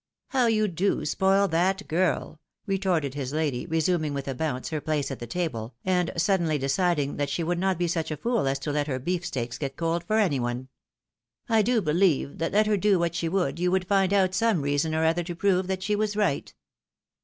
" How you do spoil that girl !" retorted his lady, resuming with a boimce her place at the table, and suddenly deciding that she would not be such a fool as to let her beefsteaks get cold for any one. " I do believe, that let her do what she would you would find out some reason or other to prove that she was right."